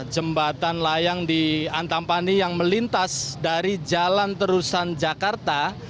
jembatan layang di antapani yang melintas dari jalan terusan jakarta